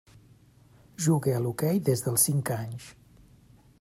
Juga a l'hoquei des dels cinc anys.